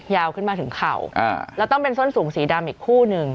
ยาวขึ้นมาถึงเข่าแล้วต้องเป็นส้นสูงสีดำอีกคู่หนึ่ง